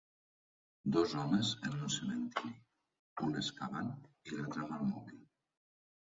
Dos homes en un cementiri, un excavant i l'altre amb el mòbil.